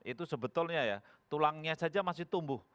itu sebetulnya ya tulangnya saja masih tumbuh